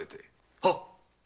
はっ！